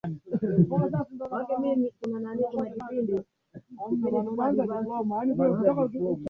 Muwanga nikundulia, nipate toka kizani